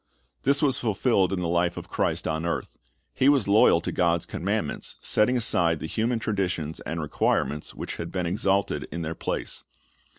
"^ This was fulfilled in the life of Christ on earth. He was loyal to God's commandments, setting aside the human traditions and requirements which had been exalted in their place.